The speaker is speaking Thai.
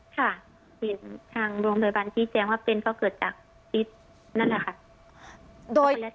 ค่ะเห็นทางโรงพยาบาลชี้แจงว่าเป็นก็เกิดจากพิษนั่นแหละค่ะ